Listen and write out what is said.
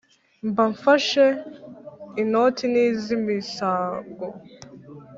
mba mfashe inoti n' iz' imisago